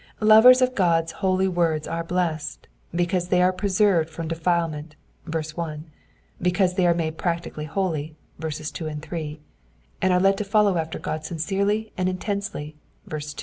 Lovers of God's holy words are blessed, because they are preserved from defilement {verse 1), because they are made practically holy {verses 2 and 3), and are led to follow after God sincerdy and intensely {verse 2).